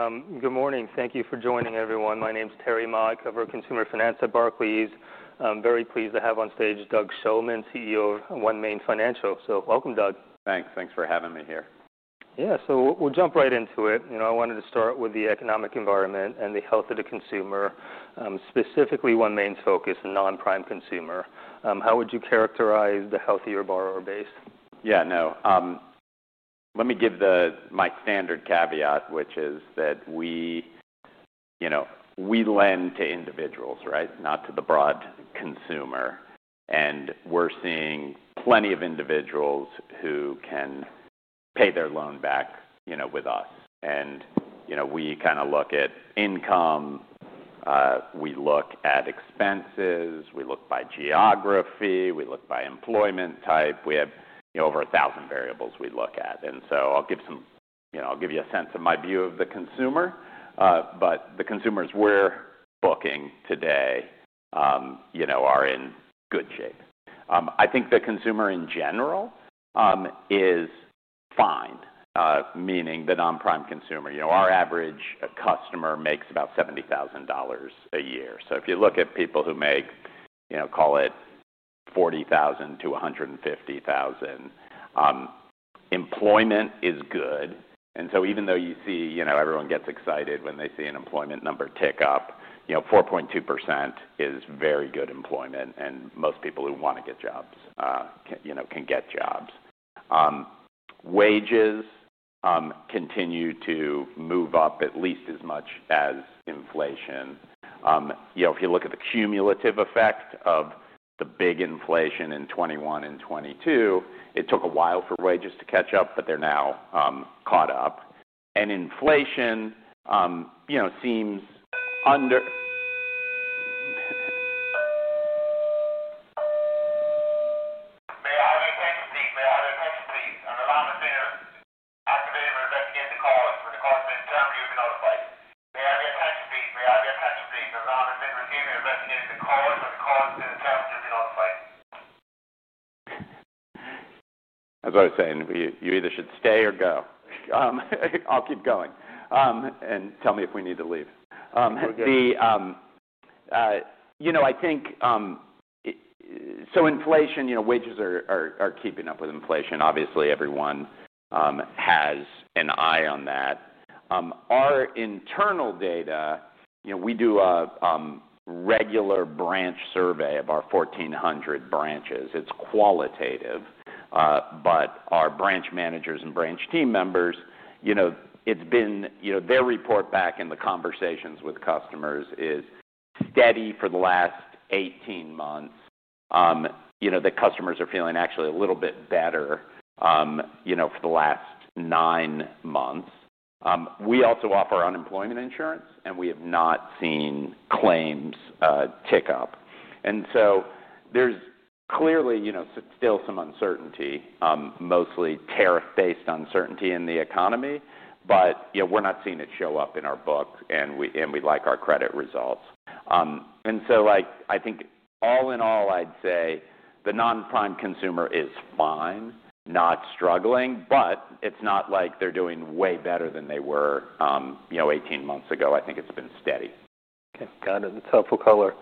All right. Good morning. Thank you for joining, everyone. My name is Terry Ma, I'm a consumer finance analyst at Barclays. I'm very pleased to have on stage Doug Shulman, CEO of OneMain Financial. Welcome, Doug. Thanks. Thanks for having me here. Yeah. We'll jump right into it. I wanted to start with the economic environment and the health of the consumer, specifically OneMain's focus on non-prime consumer. How would you characterize the healthier borrower base? Yeah, let me give my standard caveat, which is that we lend to individuals, right? Not to the broad consumer. We're seeing plenty of individuals who can pay their loan back with us. We look at income, we look at expenses, we look by geography, we look by employment type. We have over a thousand variables we look at. I'll give you a sense of my view of the consumer. The consumers we're booking today are in good shape. I think the consumer in general is fine, meaning the non-prime consumer. Our average customer makes about $70,000 a year. If you look at people who make, call it $40,000 to $150,000, employment is good. Even though you see everyone gets excited when they see an employment number tick up, 4.2% is very good employment. Most people who want to get jobs can get jobs. Wages continue to move up at least as much as inflation. If you look at the cumulative effect of the big inflation in 2021 and 2022, it took a while for wages to catch up, but they're now caught up. Inflation seems under... If you're looking at the cost, the cost of the town should be notified. I've been touched with it, and I'm a veteran here. I'm looking at the cost, and the cost of the town should be notified. That's what I was saying. You either should stay or go. I'll keep going. Tell me if we need to leave. I think, so inflation, you know, wages are keeping up with inflation. Obviously, everyone has an eye on that. Our internal data, we do a regular branch survey of our 1,400 branches. It's qualitative, but our branch managers and branch team members, their report back in the conversations with customers is steady for the last 18 months. The customers are feeling actually a little bit better for the last nine months. We also offer unemployment insurance, and we have not seen claims tick up. There's clearly still some uncertainty, mostly tariff-based uncertainty in the economy. We're not seeing it show up in our books, and we like our credit results. I think all in all, I'd say the non-prime consumer is fine, not struggling, but it's not like they're doing way better than they were 18 months ago. I think it's been steady. Okay. Got it. That's helpful color.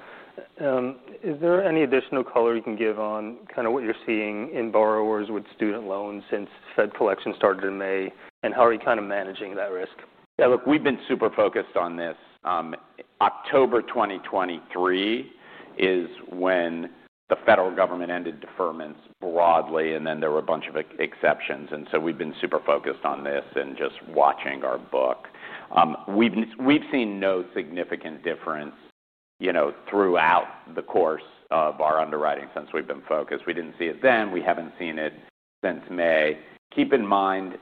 Is there any additional color you can give on kind of what you're seeing in borrowers with student loans since the Fed collection started in May? How are you kind of managing that risk? Yeah, look, we've been super focused on this. October 2023 is when the federal government ended deferments broadly, and then there were a bunch of exceptions. We've been super focused on this and just watching our book. We've seen no significant difference throughout the course of our underwriting since we've been focused. We didn't see it then. We haven't seen it since May. Keep in mind,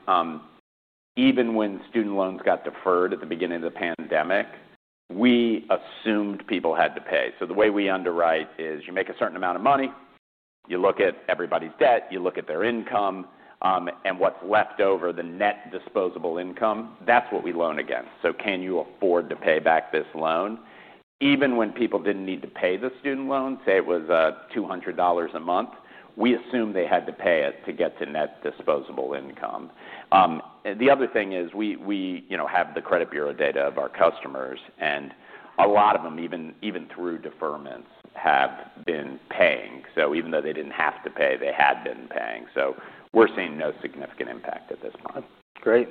even when student loans got deferred at the beginning of the pandemic, we assumed people had to pay. The way we underwrite is you make a certain amount of money, you look at everybody's debt, you look at their income, and what's left over, the net disposable income, that's what we loan against. Can you afford to pay back this loan? Even when people didn't need to pay the student loan, say it was $200 a month, we assume they had to pay it to get to net disposable income. The other thing is we have the credit bureau data of our customers, and a lot of them, even through deferments, have been paying. Even though they didn't have to pay, they had been paying. We're seeing no significant impact at this point. Great.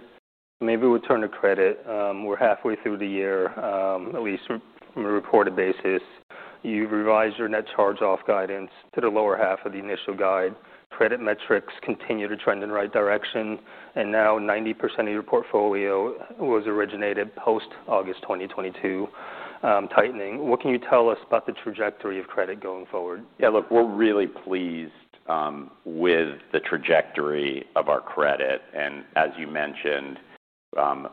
Maybe we'll turn to credit. We're halfway through the year, at least on a reported basis. You've revised your net charge-off guidance to the lower half of the initial guide. Credit metrics continue to trend in the right direction. Now 90% of your portfolio was originated post-August 2022 tightening. What can you tell us about the trajectory of credit going forward? Yeah, look, we're really pleased with the trajectory of our credit. As you mentioned,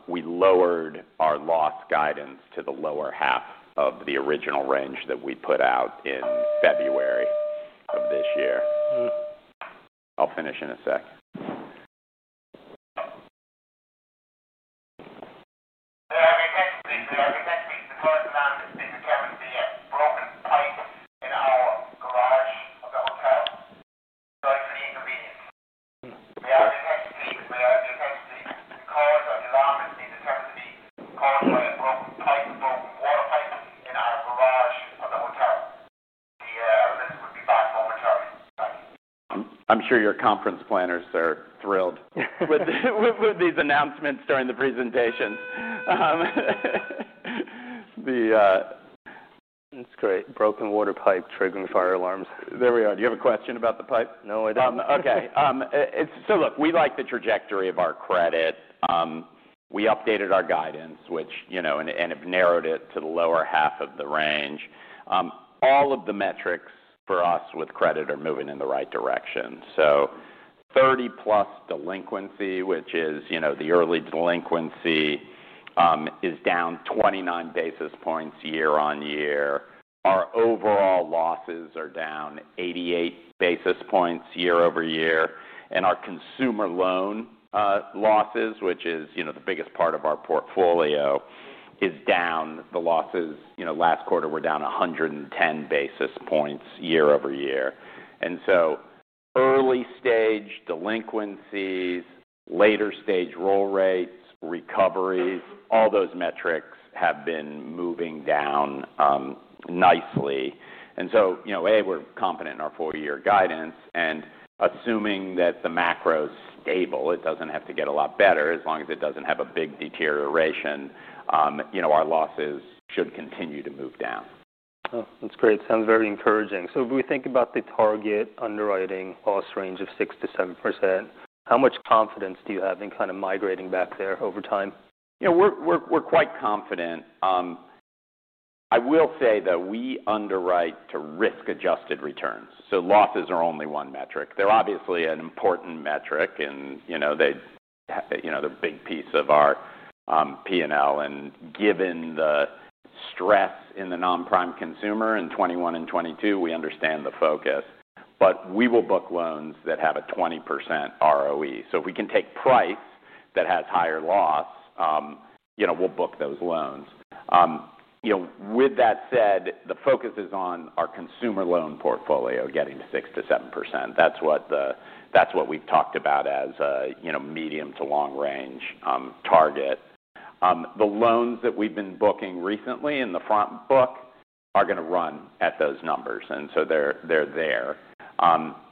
we lowered our loss guidance to the lower half of the original range that we put out in February of this year. I'll finish in a sec. Thanks for the calls. I'm sure your conference planners are thrilled with these announcements during the presentations. That's great. Broken water pipe triggering fire alarms. There we are. Do you have a question about the pipe? No, I don't. Okay. It's so look, we like the trajectory of our credit. We updated our guidance, which, you know, and have narrowed it to the lower half of the range. All of the metrics for us with credit are moving in the right direction. 30+ delinquency, which is, you know, the early delinquency, is down 29 basis points year-on-year. Our overall losses are down 88 basis points year-over-year. Our consumer loan losses, which is, you know, the biggest part of our portfolio, is down. The losses, you know, last quarter were down 110 basis points year-over-year. Early-stage delinquencies, later-stage roll rates, recoveries, all those metrics have been moving down nicely. You know, A, we're confident in our full-year guidance. Assuming that the macro is stable, it doesn't have to get a lot better as long as it doesn't have a big deterioration, you know, our losses should continue to move down. Oh, that's great. Sounds very encouraging. If we think about the target underwriting loss range of 6%-7%, how much confidence do you have in kind of migrating back there over time? Yeah, we're quite confident. I will say, though, we underwrite to risk-adjusted returns. Losses are only one metric. They're obviously an important metric, and you know, they're a big piece of our P&L. Given the stress in the non-prime consumer in 2021 and 2022, we understand the focus. We will book loans that have a 20% ROE. If we can take price that has higher loss, you know, we'll book those loans. You know, with that said, the focus is on our consumer loan portfolio getting to 6%-7%. That's what we've talked about as a, you know, medium to long-range target. The loans that we've been booking recently in the front book are going to run at those numbers, and so they're there.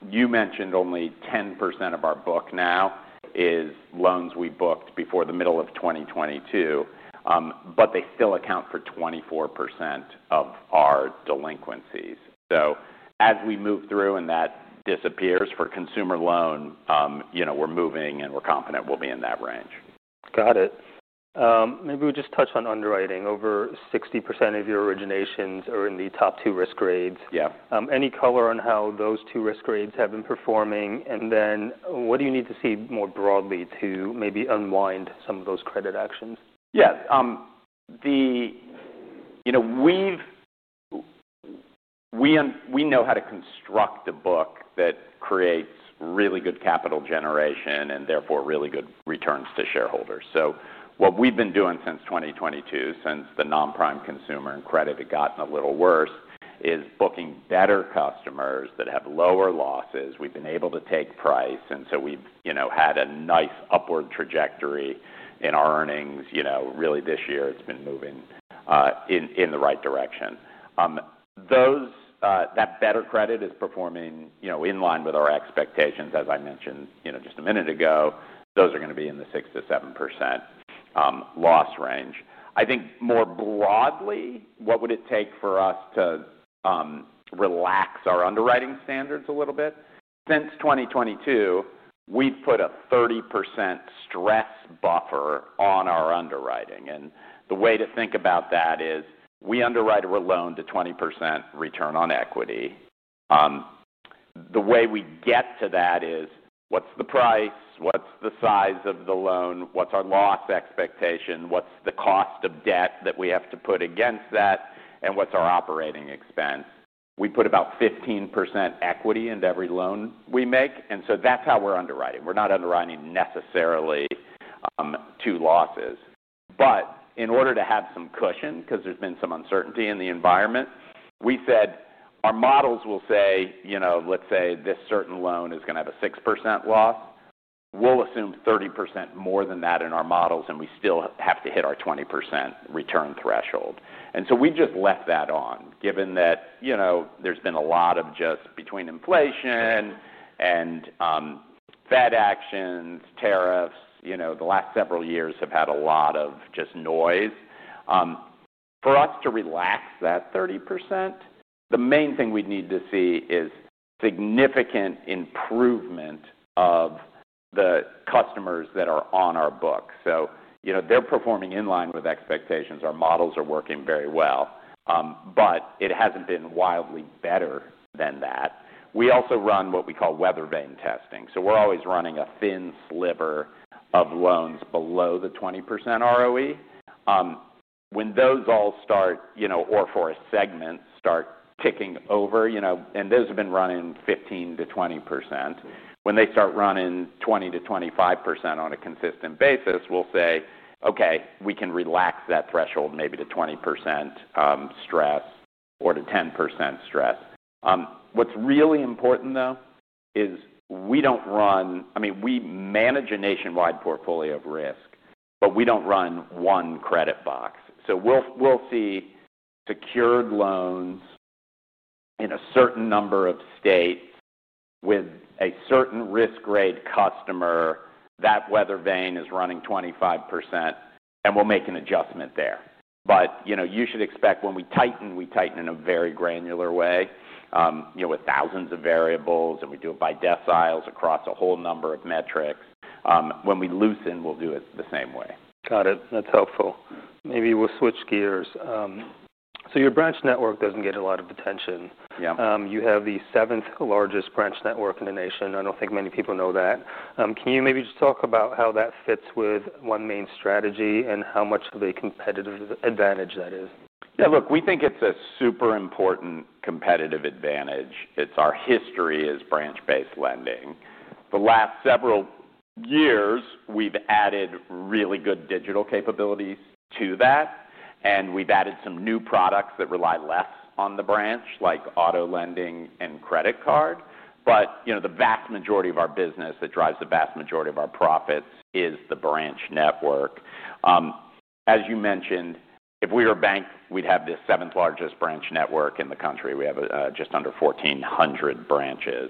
You mentioned only 10% of our book now is loans we booked before the middle of 2022, but they still account for 24% of our delinquencies. As we move through and that disappears for consumer loan, you know, we're moving and we're confident we'll be in that range. Got it. Maybe we'll just touch on underwriting. Over 60% of your originations are in the top two risk grades. Yeah. Any color on how those two risk grades have been performing? What do you need to see more broadly to maybe unwind some of those credit actions? Yeah. We know how to construct the book that creates really good capital generation and therefore really good returns to shareholders. What we've been doing since 2022, since the non-prime consumer and credit had gotten a little worse, is booking better customers that have lower losses. We've been able to take price, and we've had a nice upward trajectory in our earnings. Really, this year it's been moving in the right direction. That better credit is performing in line with our expectations. As I mentioned just a minute ago, those are going to be in the 6%-7% loss range. I think more broadly, what would it take for us to relax our underwriting standards a little bit? Since 2022, we've put a 30% stress buffer on our underwriting. The way to think about that is we underwrite our loan to 20% return on equity. The way we get to that is what's the price, what's the size of the loan, what's our loss expectation, what's the cost of debt that we have to put against that, and what's our operating expense? We put about 15% equity into every loan we make, and that's how we're underwriting. We're not underwriting necessarily to losses, but in order to have some cushion, because there's been some uncertainty in the environment, we said our models will say, let's say this certain loan is going to have a 6% loss. We'll assume 30% more than that in our models, and we still have to hit our 20% return threshold. We just left that on, given that there's been a lot of, just between inflation and Fed actions, tariffs, the last several years have had a lot of noise. For us to relax that 30%, the main thing we'd need to see is significant improvement of the customers that are on our books. They're performing in line with expectations. Our models are working very well, but it hasn't been wildly better than that. We also run what we call weather vane testing. We're always running a thin sliver of loans below the 20% ROE. When those all start, or for a segment start ticking over, and those have been running 15%-20%. When they start running 20%-25% on a consistent basis, we'll say, okay, we can relax that threshold maybe to 20% stress or to 10% stress. What's really important, though, is we don't run, I mean, we manage a nationwide portfolio of risk, but we don't run one credit box. We see secured loans in a certain number of states with a certain risk grade customer. That weather vane is running 25%, and we'll make an adjustment there. You should expect when we tighten, we tighten in a very granular way, with thousands of variables, and we do it by deciles across a whole number of metrics. When we loosen, we'll do it the same way. Got it. That's helpful. Maybe we'll switch gears. Your branch network doesn't get a lot of attention. You have the seventh largest branch network in the nation. I don't think many people know that. Can you maybe just talk about how that fits with OneMain's strategy and how much of a competitive advantage that is? Yeah, look, we think it's a super important competitive advantage. It's our history as branch-based lending. The last several years, we've added really good digital capabilities to that. We've added some new products that rely less on the branch, like auto loans and credit cards. You know, the vast majority of our business that drives the vast majority of our profits is the branch network. As you mentioned, if we were a bank, we'd have the seventh largest branch network in the U.S. We have just under 1,400 branches.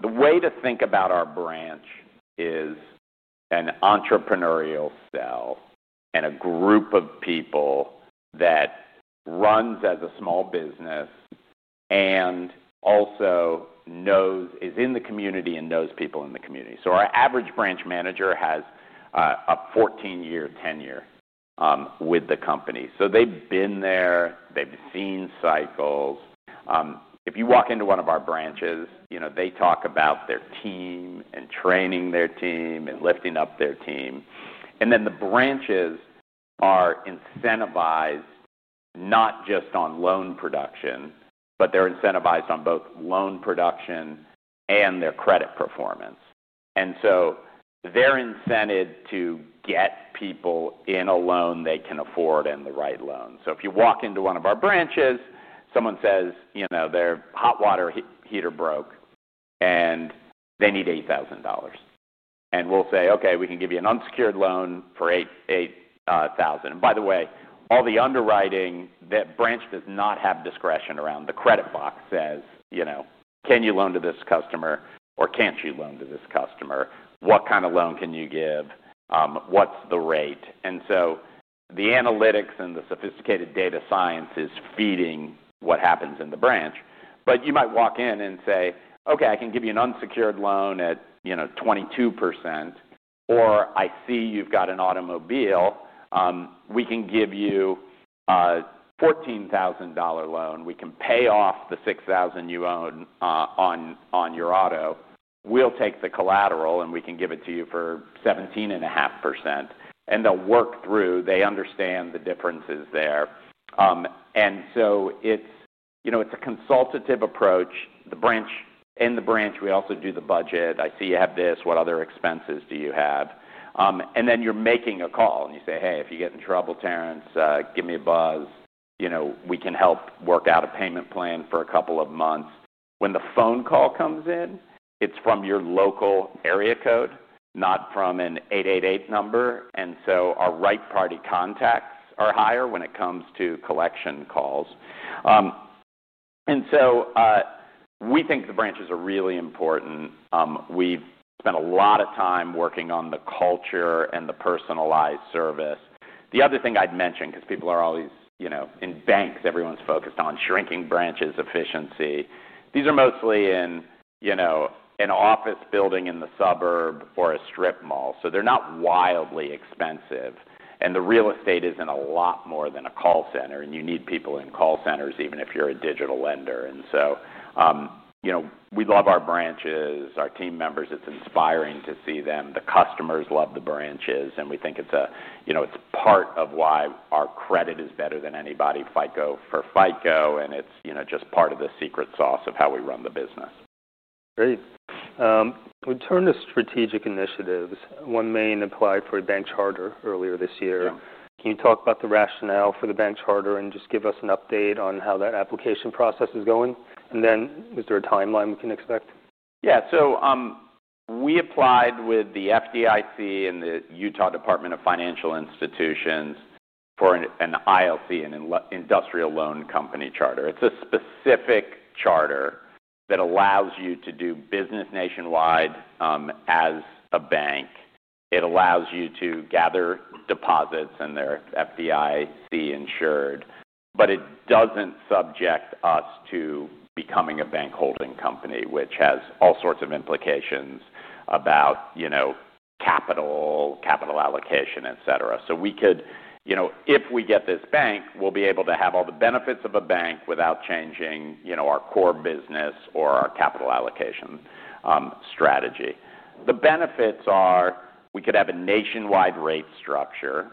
The way to think about our branch is an entrepreneurial cell and a group of people that runs as a small business and also is in the community and knows people in the community. Our average branch manager has a 14-year tenure with the company. They've been there. They've seen cycles. If you walk into one of our branches, they talk about their team and training their team and lifting up their team. The branches are incentivized not just on loan production, but they're incentivized on both loan production and their credit performance. They're incented to get people in a loan they can afford and the right loan. If you walk into one of our branches, someone says their hot water heater broke and they need $8,000. We'll say, okay, we can give you an unsecured loan for $8,000. By the way, all the underwriting, that branch does not have discretion around. The credit box says, can you loan to this customer or can't you loan to this customer? What kind of loan can you give? What's the rate? The analytics and the sophisticated data science is feeding what happens in the branch. You might walk in and say, okay, I can give you an unsecured loan at 22%, or I see you've got an automobile. We can give you a $14,000 loan. We can pay off the $6,000 you owe on your auto. We'll take the collateral and we can give it to you for 17.5%. They'll work through, they understand the differences there. It's a consultative approach. In the branch, we also do the budget. I see you have this. What other expenses do you have? You're making a call and you say, hey, if you get in trouble, Terrence, give me a buzz. We can help work out a payment plan for a couple of months. When the phone call comes in, it's from your local area code, not from an 888 number. Our right party contacts are higher when it comes to collection calls. We think the branches are really important. We've spent a lot of time working on the culture and the personalized service. The other thing I'd mention, because people are always, you know, in banks, everyone's focused on shrinking branches efficiency. These are mostly in, you know, an office building in the suburb or a strip mall. They're not wildly expensive. The real estate isn't a lot more than a call center. You need people in call centers, even if you're a digital lender. We love our branches, our team members. It's inspiring to see them. The customers love the branches. We think it's part of why our credit is better than anybody, FICO for FICO. It's just part of the secret sauce of how we run the business. Great. We turn to strategic initiatives. OneMain applied for an ILC charter earlier this year. Can you talk about the rationale for the ILC charter and just give us an update on how that application process is going? Is there a timeline we can expect? Yeah, so, we applied with the FDIC and the Utah Department of Financial Institutions for an ILC, an industrial loan company charter. It's a specific charter that allows you to do business nationwide as a bank. It allows you to gather deposits and they're FDIC insured. It doesn't subject us to becoming a bank holding company, which has all sorts of implications about, you know, capital, capital allocation, etc. We could, you know, if we get this bank, we'll be able to have all the benefits of a bank without changing, you know, our core business or our capital allocation strategy. The benefits are we could have a nationwide rate structure,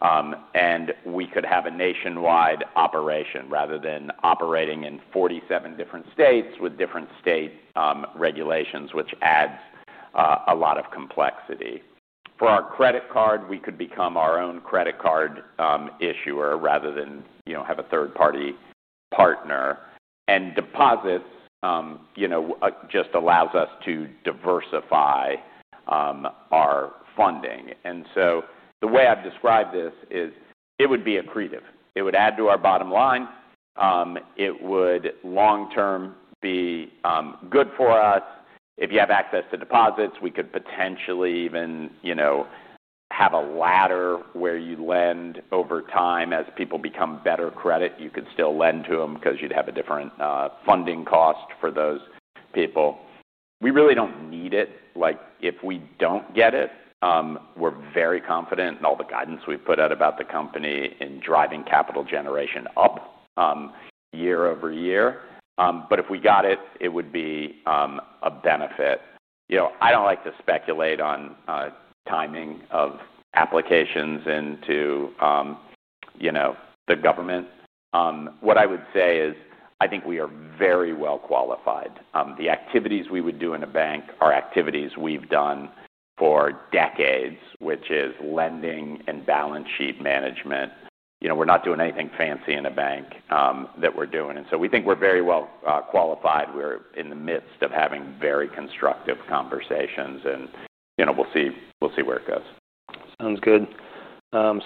and we could have a nationwide operation rather than operating in 47 different states with different state regulations, which adds a lot of complexity. For our credit card, we could become our own credit card issuer rather than, you know, have a third-party partner. Deposits, you know, just allows us to diversify our funding. The way I've described this is it would be accretive. It would add to our bottom line. It would long-term be good for us. If you have access to deposits, we could potentially even, you know, have a ladder where you lend over time as people become better credit. You could still lend to them because you'd have a different funding cost for those people. We really don't need it. Like, if we don't get it, we're very confident in all the guidance we've put out about the company in driving capital generation up year-over-year. If we got it, it would be a benefit. I don't like to speculate on timing of applications into, you know, the government. What I would say is I think we are very well qualified. The activities we would do in a bank are activities we've done for decades, which is lending and balance sheet management. You know, we're not doing anything fancy in a bank, that we're doing. We think we're very well qualified. We're in the midst of having very constructive conversations. You know, we'll see, we'll see where it goes. Sounds good.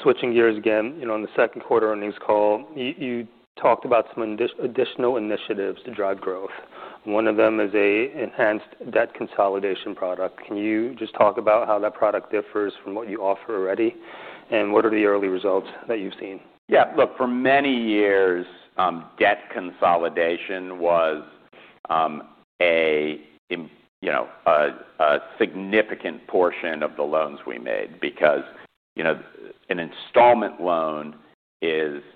Switching gears again, you know, on the second quarter earnings call, you talked about some additional initiatives to drive growth. One of them is an enhanced debt consolidation product. Can you just talk about how that product differs from what you offer already? What are the early results that you've seen? Yeah, look, for many years, debt consolidation was a significant portion of the loans we made because, you know, an installment loan is a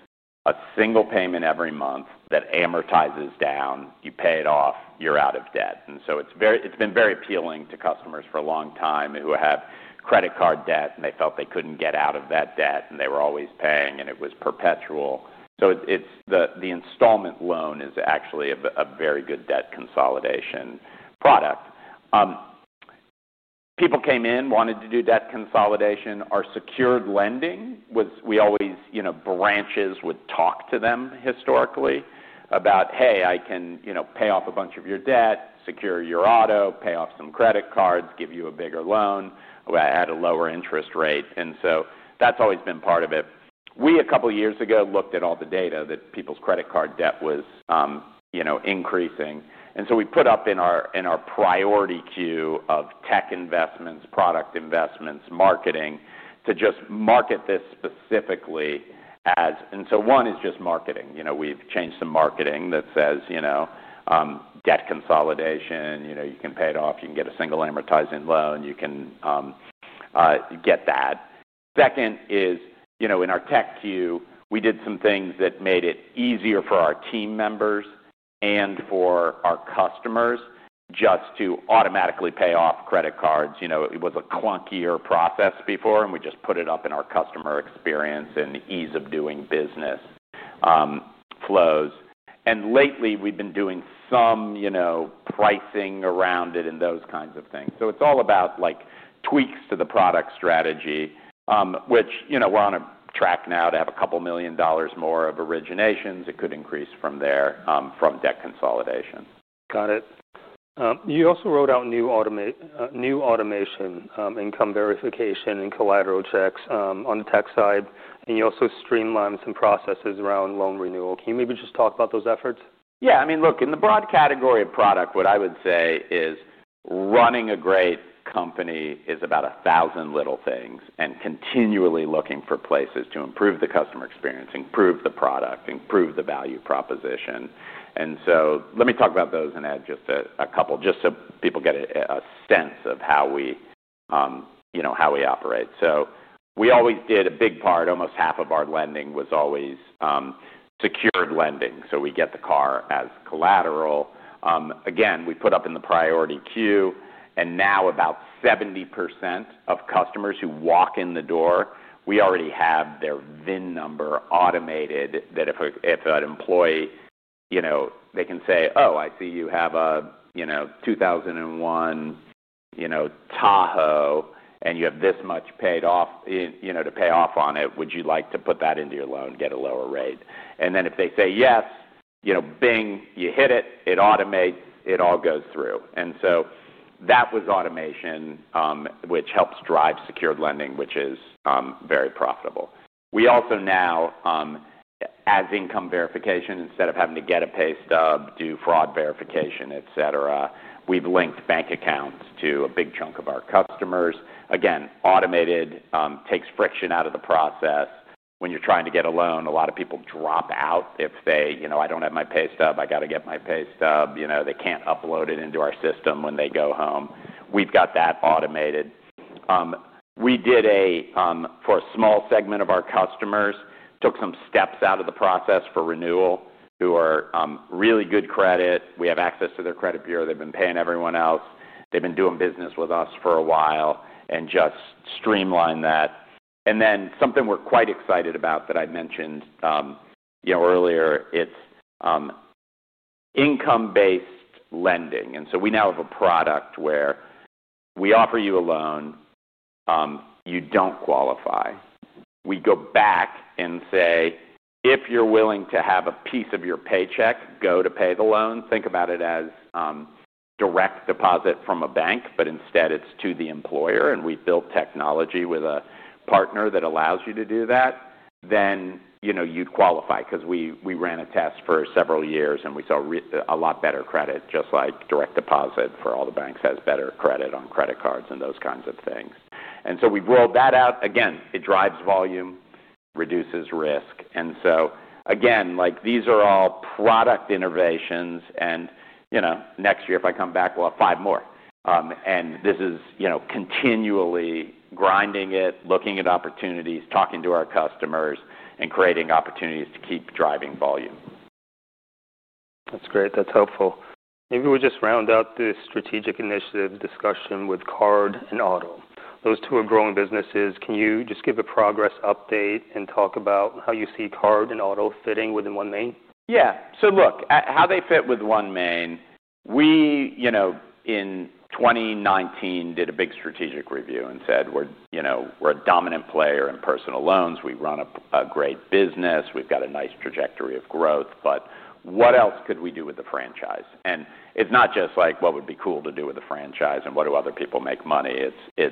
single payment every month that amortizes down. You pay it off, you're out of debt. It is very, it's been very appealing to customers for a long time who have credit card debt and they felt they couldn't get out of that debt and they were always paying and it was perpetual. The installment loan is actually a very good debt consolidation product. People came in, wanted to do debt consolidation. Our secured lending was, we always, you know, branches would talk to them historically about, hey, I can pay off a bunch of your debt, secure your auto, pay off some credit cards, give you a bigger loan. I had a lower interest rate. That's always been part of it. We, a couple of years ago, looked at all the data that people's credit card debt was increasing. We put up in our priority queue of tech investments, product investments, marketing to just market this specifically as, and one is just marketing. We've changed some marketing that says, you know, debt consolidation, you can pay it off, you can get a single amortizing loan, you can get that. Second is, in our tech queue, we did some things that made it easier for our team members and for our customers just to automatically pay off credit cards. It was a clunkier process before, and we just put it up in our customer experience and ease of doing business flows. Lately, we've been doing some pricing around it and those kinds of things. It's all about tweaks to the product strategy, which, you know, we're on a track now to have a couple million dollars more of originations. It could increase from there, from debt consolidation. Got it. You also rolled out new automation, income verification, and collateral checks on the tech side. You also streamlined some processes around loan renewal. Can you maybe just talk about those efforts? Yeah, I mean, look, in the broad category of product, what I would say is running a great company is about a thousand little things and continually looking for places to improve the customer experience, improve the product, improve the value proposition. Let me talk about those and add just a couple, just so people get a sense of how we, you know, how we operate. We always did a big part, almost half of our lending was always secured lending. We get the car as collateral. We put up in the priority queue, and now about 70% of customers who walk in the door, we already have their VIN number automated that if an employee, you know, they can say, oh, I see you have a 2001 Tahoe, and you have this much paid off, you know, to pay off on it. Would you like to put that into your loan and get a lower rate? If they say yes, you know, bing, you hit it, it automates, it all goes through. That was automation, which helps drive secured lending, which is very profitable. We also now, as income verification, instead of having to get a pay stub, do fraud verification, etc., we've linked bank accounts to a big chunk of our customers. Automated, takes friction out of the process. When you're trying to get a loan, a lot of people drop out if they, you know, I don't have my pay stub, I got to get my pay stub. They can't upload it into our system when they go home. We've got that automated. For a small segment of our customers, took some steps out of the process for renewal, who are really good credit. We have access to their credit bureau. They've been paying everyone else. They've been doing business with us for a while and just streamlined that. Something we're quite excited about that I mentioned earlier, it's income-based lending. We now have a product where we offer you a loan, you don't qualify. We go back and say, if you're willing to have a piece of your paycheck go to pay the loan, think about it as direct deposit from a bank, but instead it's to the employer. We've built technology with a partner that allows you to do that. You'd qualify because we ran a test for several years and we saw a lot better credit, just like direct deposit for all the banks has better credit on credit cards and those kinds of things. We've rolled that out. It drives volume, reduces risk. These are all product innovations. Next year, if I come back, we'll have five more. This is continually grinding it, looking at opportunities, talking to our customers, and creating opportunities to keep driving volume. That's great. That's helpful. Maybe we'll just round out this strategic initiative discussion with card and auto. Those two are growing businesses. Can you just give a progress update and talk about how you see card and auto fitting within OneMain? Yeah. So look, how they fit with OneMain, we, you know, in 2019 did a big strategic review and said we're, you know, we're a dominant player in personal loans. We run a great business. We've got a nice trajectory of growth. What else could we do with the franchise? It's not just like what would be cool to do with the franchise and what do other people make money. It's,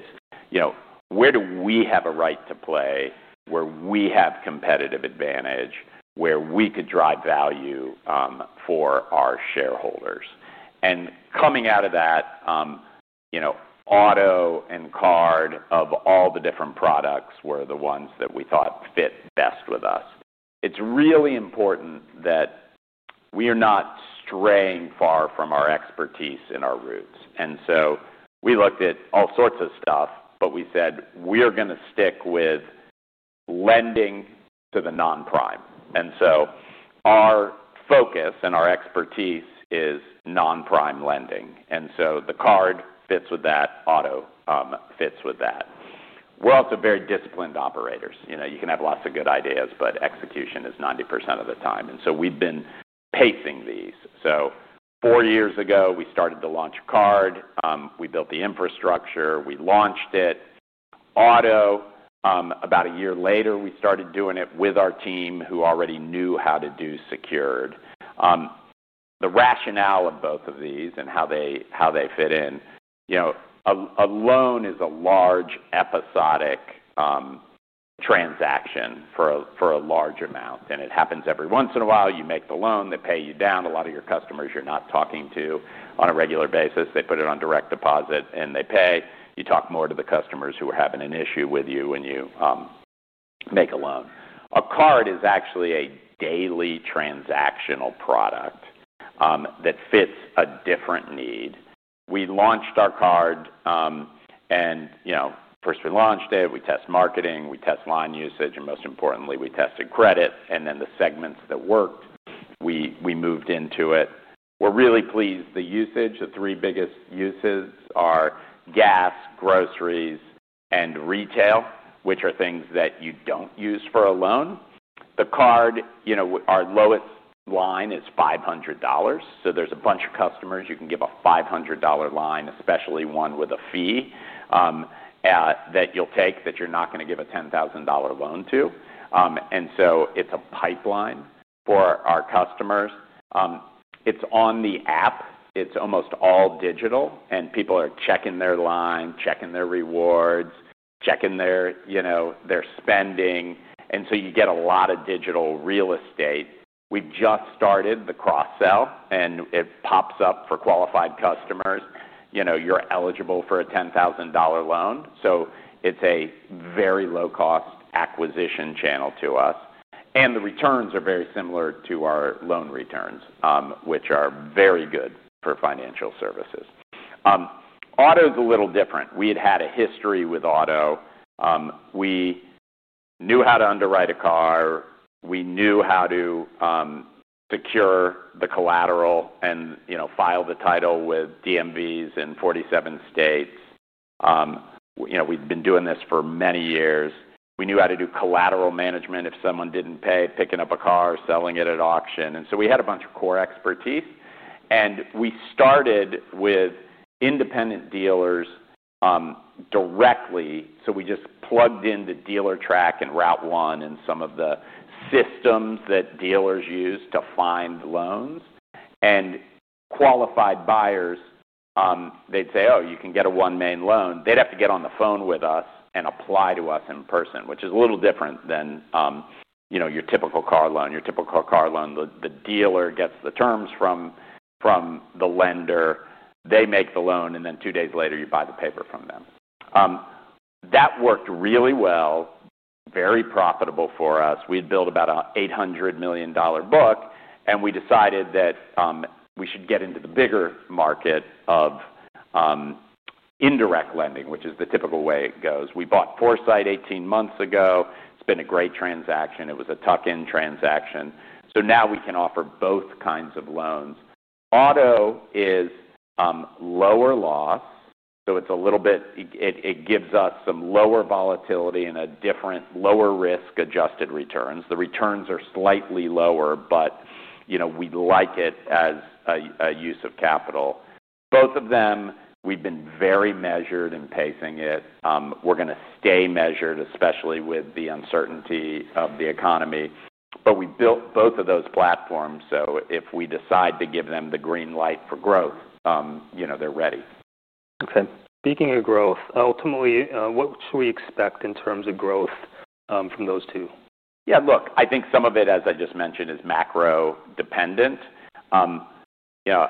you know, where do we have a right to play, where we have competitive advantage, where we could drive value for our shareholders. Coming out of that, auto and card, of all the different products, were the ones that we thought fit best with us. It's really important that we are not straying far from our expertise and our roots. We looked at all sorts of stuff, but we said we're going to stick with lending to the non-prime. Our focus and our expertise is non-prime lending. The card fits with that, auto fits with that. We're also very disciplined operators. You can have lots of good ideas, but execution is 90% of the time. We've been pacing these. Four years ago, we started the launch of card. We built the infrastructure. We launched it. Auto, about a year later, we started doing it with our team who already knew how to do secured. The rationale of both of these and how they fit in, a loan is a large episodic transaction for a large amount. It happens every once in a while. You make the loan, they pay you down. A lot of your customers you're not talking to on a regular basis, they put it on direct deposit and they pay. You talk more to the customers who are having an issue with you when you make a loan. A card is actually a daily transactional product that fits a different need. We launched our card, and first we launched it, we test marketing, we test line usage, and most importantly, we tested credit. In the segments that worked, we moved into it. We're really pleased. The usage, the three biggest uses are gas, groceries, and retail, which are things that you don't use for a loan. The card, our lowest line is $500. There's a bunch of customers you can give a $500 line, especially one with a fee, that you'll take that you're not going to give a $10,000 loan to. It's a pipeline for our customers. It's on the app. It's almost all digital. People are checking their line, checking their rewards, checking their spending. You get a lot of digital real estate. We've just started the cross-sell, and it pops up for qualified customers. You know, you're eligible for a $10,000 loan. It's a very low-cost acquisition channel to us, and the returns are very similar to our loan returns, which are very good for financial services. Auto is a little different. We had had a history with auto. We knew how to underwrite a car. We knew how to secure the collateral and file the title with DMVs in 47 states. We'd been doing this for many years. We knew how to do collateral management if someone didn't pay, picking up a car, selling it at auction. We had a bunch of core expertise. We started with independent dealers directly. We just plugged in the Dealertrack and RouteOne and some of the systems that dealers use to find loans. Qualified buyers, they'd say, oh, you can get a OneMain loan. They'd have to get on the phone with us and apply to us in person, which is a little different than your typical car loan. Your typical car loan, the dealer gets the terms from the lender. They make the loan, and then two days later, you buy the paper from them. That worked really well, very profitable for us. We'd built about an $800 million book, and we decided that we should get into the bigger market of indirect lending, which is the typical way it goes. We bought Foursight 18 months ago. It's been a great transaction. It was a tuck-in transaction. Now we can offer both kinds of loans. Auto is lower law, so it's a little bit, it gives us some lower volatility and a different lower risk-adjusted returns. The returns are slightly lower, but we like it as a use of capital. Both of them, we've been very measured in pacing it. We're going to stay measured, especially with the uncertainty of the economy. We built both of those platforms. If we decide to give them the green light for growth, they're ready. Okay. Speaking of growth, ultimately, what should we expect in terms of growth from those two? Yeah, look, I think some of it, as I just mentioned, is macro-dependent. You know,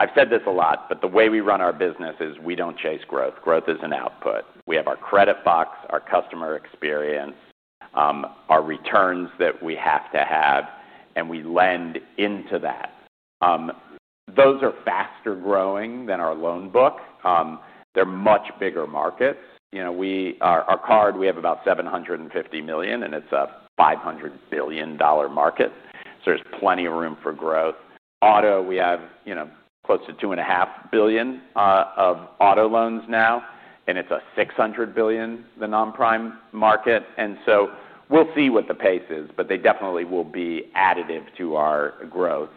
I've said this a lot, but the way we run our business is we don't chase growth. Growth is an output. We have our credit box, our customer experience, our returns that we have to have, and we lend into that. Those are faster growing than our loan book. They're much bigger markets. You know, we are, our card, we have about $750 million, and it's a $500 billion market. There's plenty of room for growth. Auto, we have, you know, close to $2.5 billion of auto loans now, and it's a $600 billion, the non-prime market. We'll see what the pace is, but they definitely will be additive to our growth.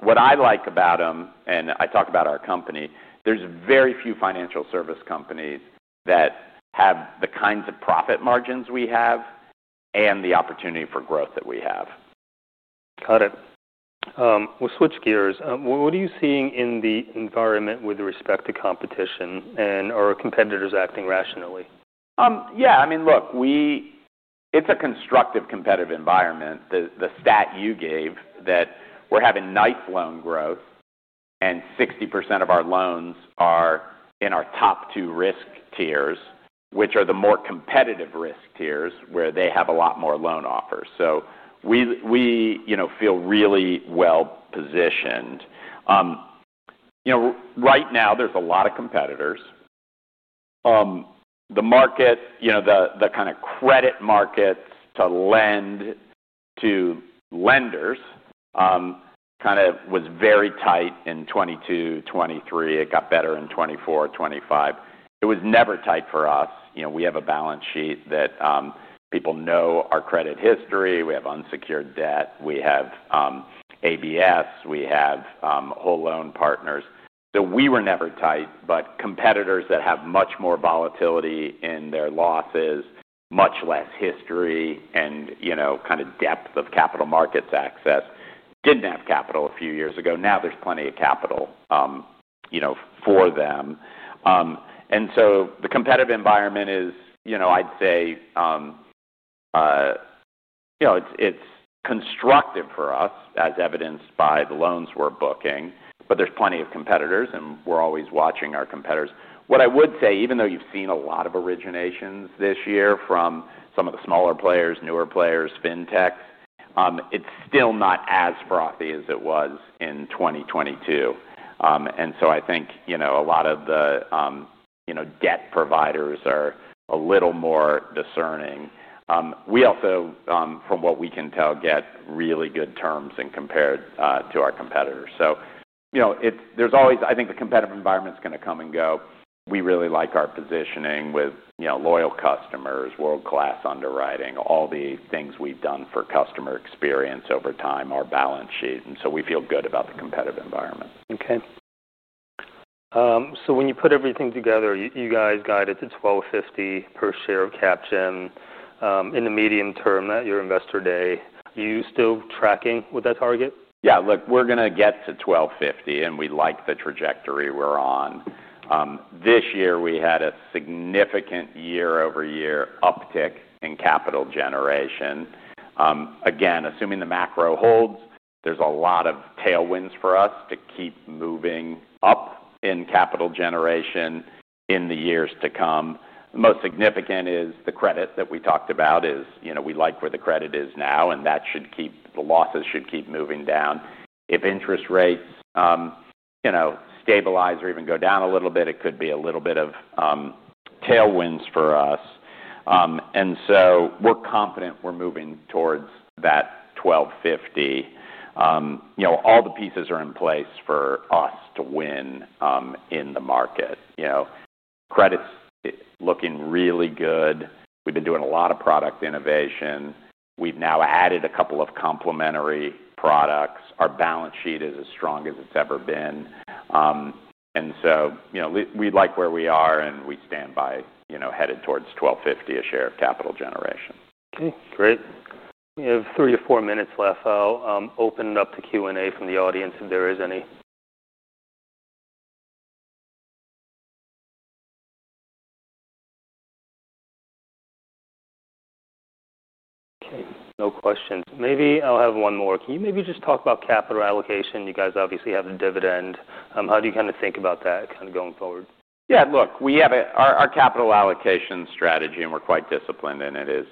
What I like about them, and I talked about our company, there's very few financial service companies that have the kinds of profit margins we have and the opportunity for growth that we have. Got it. We'll switch gears. What are you seeing in the environment with respect to competition, and are our competitors acting rationally? Yeah, I mean, look, it's a constructive competitive environment. The stat you gave that we're having nice loan growth and 60% of our loans are in our top two risk tiers, which are the more competitive risk tiers where they have a lot more loan offers. We feel really well positioned. Right now there's a lot of competitors. The market, the kind of credit markets to lend to lenders, was very tight in 2022, 2023. It got better in 2024, 2025. It was never tight for us. We have a balance sheet that people know our credit history. We have unsecured debt. We have ABS. We have whole loan partners. We were never tight, but competitors that have much more volatility in their losses, much less history, and depth of capital markets access didn't have capital a few years ago. Now there's plenty of capital for them. The competitive environment is, I'd say, it's constructive for us as evidenced by the loans we're booking. There's plenty of competitors, and we're always watching our competitors. What I would say, even though you've seen a lot of originations this year from some of the smaller players, newer players, fintechs, it's still not as frothy as it was in 2022. I think a lot of the debt providers are a little more discerning. We also, from what we can tell, get really good terms compared to our competitors. The competitive environment is going to come and go. We really like our positioning with loyal customers, world-class underwriting, all the things we've done for customer experience over time, our balance sheet. We feel good about the competitive environment. Okay, so when you put everything together, you guys got it to $1,250 per share of capital. In the medium term at your investor day, you still tracking with that target? Yeah, look, we're going to get to $1,250, and we like the trajectory we're on. This year we had a significant year-over-year uptick in capital generation. Again, assuming the macro holds, there's a lot of tailwinds for us to keep moving up in capital generation in the years to come. The most significant is the credit that we talked about is, you know, we like where the credit is now, and that should keep the losses should keep moving down. If interest rates, you know, stabilize or even go down a little bit, it could be a little bit of tailwinds for us. We're confident we're moving towards that $1,250. You know, all the pieces are in place for us to win in the market. You know, credit's looking really good. We've been doing a lot of product innovation. We've now added a couple of complementary products. Our balance sheet is as strong as it's ever been, and so, you know, we like where we are, and we stand by, you know, headed towards $1,250 a share of capital generation. Okay. Great. We have three to four minutes left. I'll open it up to Q&A from the audience if there is any. Okay. No questions. Maybe I'll have one more. Can you maybe just talk about capital allocation? You guys obviously have the dividend. How do you kind of think about that kind of going forward? Yeah, look, we have our capital allocation strategy, and we're quite disciplined in it.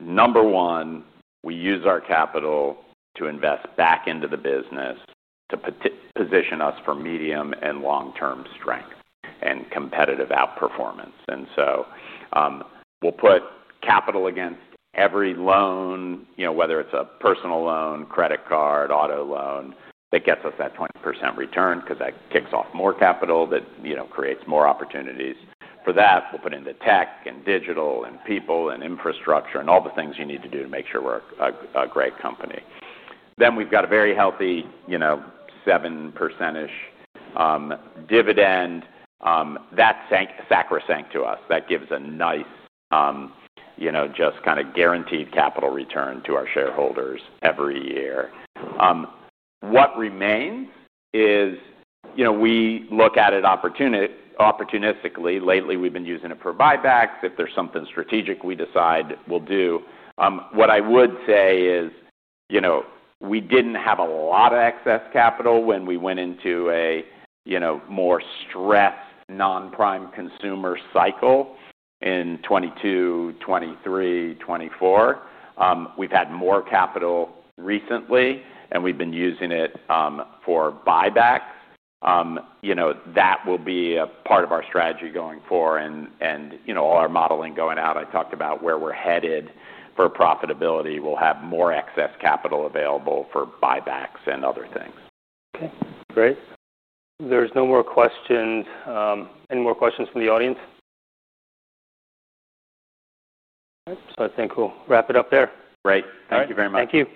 Number one, we use our capital to invest back into the business to position us for medium and long-term strength and competitive outperformance. We'll put capital against every loan, you know, whether it's a personal loan, credit card, auto loan that gets us that 20% return because that kicks off more capital that, you know, creates more opportunities for that. We'll put into tech and digital and people and infrastructure and all the things you need to do to make sure we're a great company. We've got a very healthy, you know, 7%-ish dividend. That's sacrosanct to us. That gives a nice, you know, just kind of guaranteed capital return to our shareholders every year. What remains is, you know, we look at it opportunistically. Lately, we've been using it for buybacks. If there's something strategic we decide we'll do. What I would say is, you know, we didn't have a lot of excess capital when we went into a, you know, more stressed non-prime consumer cycle in 2022, 2023, 2024. We've had more capital recently, and we've been using it for buyback. You know, that will be a part of our strategy going forward. All our modeling going out, I talked about where we're headed for profitability. We'll have more excess capital available for buybacks and other things. Okay. Great. There are no more questions. Any more questions from the audience? I think we'll wrap it up there. Great, thank you very much. Thank you.